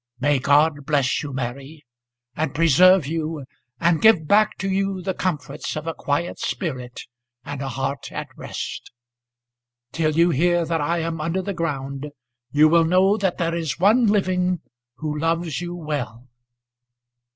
"May God bless you, Mary, and preserve you, and give back to you the comforts of a quiet spirit, and a heart at rest! Till you hear that I am under the ground you will know that there is one living who loves you well."